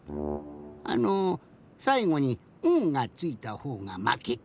あのさいごに「ん」がついたほうがまけってやつ。